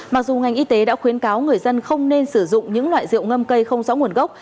mặc dù ngành y tế đã khuyến cáo người dân không nên sử dụng những loại rượu ngâm cây không rõ nguồn gốc